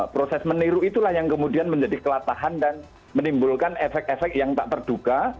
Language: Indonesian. proses meniru itulah yang kemudian menjadi kelatahan dan menimbulkan efek efek yang tak terduga